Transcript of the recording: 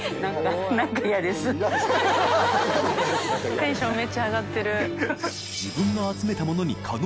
テンションめっちゃ上がってる。